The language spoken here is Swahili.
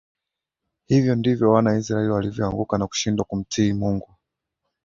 Hivyo ndivyo wana wa Israeli walivyoanguka na kushindwa kumtii Mungu